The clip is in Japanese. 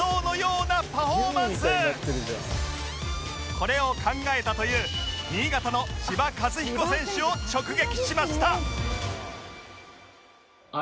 これを考えたという新潟の千葉和彦選手を直撃しました